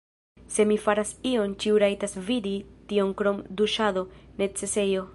Se mi faras ion ĉiu rajtas vidi tion krom duŝado, necesejo